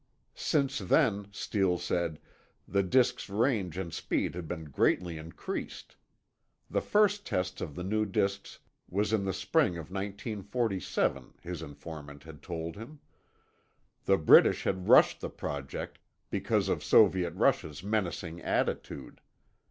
Since then, Steele said, the disks' range and speed had been greatly increased. The first tests of the new disks was in the spring of 1947, his informant had told him. The British had rushed the project, because of Soviet Russia's menacing attitude.